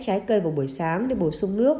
trái cây vào buổi sáng để bổ sung nước